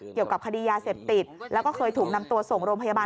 เกี่ยวกับคดียาเสพติดแล้วก็เคยถูกนำตัวส่งโรงพยาบาล